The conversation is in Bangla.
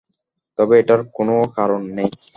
তবে এটার কোনও কারন নেই।